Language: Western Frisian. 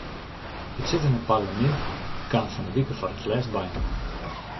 It sittende parlemint kaam fan ’e wike foar it lêst byinoar.